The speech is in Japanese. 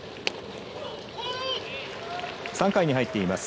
３回に入っています。